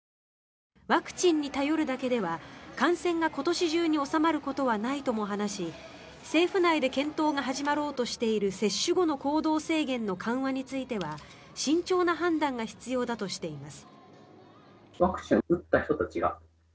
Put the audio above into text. ワクチンに頼るだけでは感染が今年中に収まることはないとも話し政府内で検討が始まろうとしている接種後の行動制限の緩和については慎重な判断が必要だとしています。